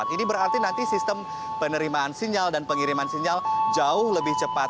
ini berarti nanti sistem penerimaan sinyal dan pengiriman sinyal jauh lebih cepat